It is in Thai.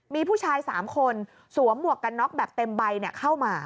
มีผู้ชาย๓คนสวมหมวกกันน็อกแบบเต็มใบเข้ามา